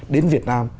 đến việt nam